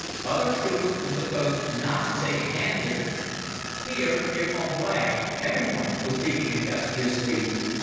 Other troops were supposed not to take a hand in it. Here, near Combres, everyone was digging industriously.